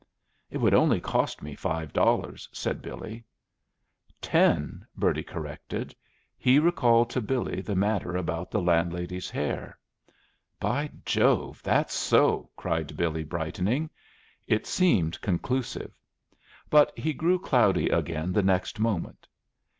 "It would only cost me five dollars," said Billy. "Ten," Bertie corrected. He recalled to Billy the matter about the landlady's hair. "By Jove, that's so!" cried Billy, brightening. It seemed conclusive. But he grew cloudy again the next moment.